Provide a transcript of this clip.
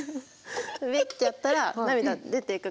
ベッてやったら涙出ていくから。